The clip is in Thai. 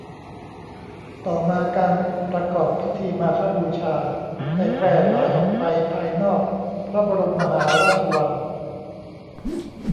ต่อมาการประกอบพิธีมาฆบูชาได้แพร่หลายออกไปภายนอกพระบรมมหาราชวัง